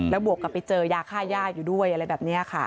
บวกกับไปเจอยาค่าย่าอยู่ด้วยอะไรแบบนี้ค่ะ